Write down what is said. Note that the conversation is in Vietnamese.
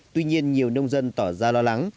tuy nhiên nhiều nông dân tỏ ra lo lắng